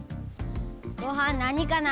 ごはんなにかな？